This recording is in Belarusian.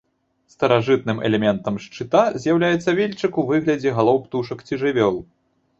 Старажытным элементам шчыта з'яўляецца вільчык у выглядзе галоў птушак ці жывёл.